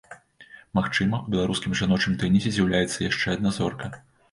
Магчыма, у беларускім жаночым тэнісе з'яўляецца яшчэ адна зорка.